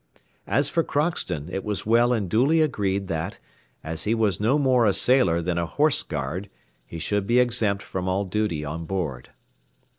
As for Crockston, it was well and duly agreed that, as he was no more a sailor than a horse guard, he should be exempt from all duty on board.